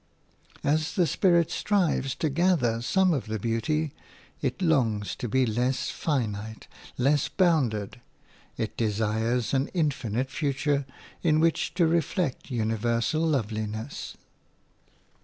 As the spirit strives to gather some of the beauty, it longs to be less finite, less bounded; it desires an infinite future in which to reflect universal loveliness.